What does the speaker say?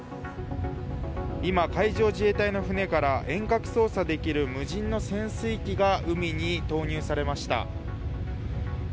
今、海上自衛隊の船から遠隔操作できる無人の潜水機が海に投入されました。